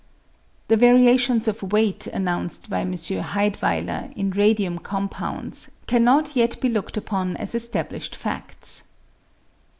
The variations of weight announced by M. Heydweiller in radium compounds cannot yet be looked upon as established fads.